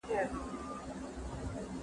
تا څنگه زه! ما څنگه ته له ياده وايستلې؟